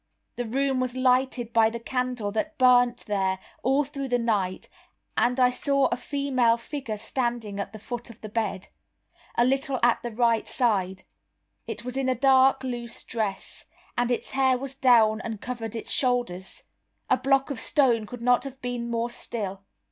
The room was lighted by the candle that burnt there all through the night, and I saw a female figure standing at the foot of the bed, a little at the right side. It was in a dark loose dress, and its hair was down and covered its shoulders. A block of stone could not have been more still.